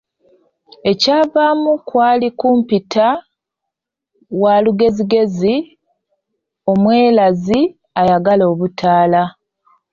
Ekyavaamu kwali kumpita waalugezigezi, omwerazi, ayagala obutaala.